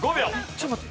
ちょっと待って。